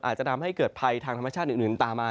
อาจจะทำให้เกิดภัยทางธรรมชาติอื่นตามมา